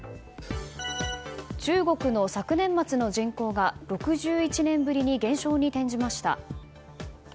中国の昨年末の人口が６１年ぶりに減少に転じました。